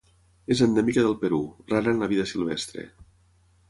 És endèmica del Perú, rara en la vida silvestre.